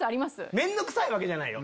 面倒くさいわけじゃないよ